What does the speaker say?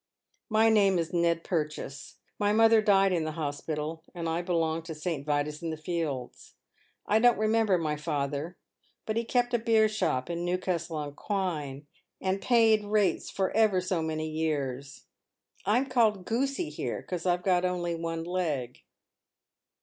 " J\^name^2S„ Ned Purchase. My mother died in the hospital, and I belong to^B^T'Yiius in the Pields. I don't remember my father, but he kept a beer shop in JSTewcastle on Twine, and paid rates for ever so many years. I'm called Goosey here 'cause I've only one leg."